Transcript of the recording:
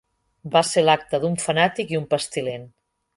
Va ser l'acte d'un fanàtic i un pestilent.